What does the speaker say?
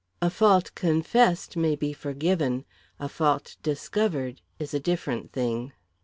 A fault confessed may be forgiven; a fault discovered is a different thing.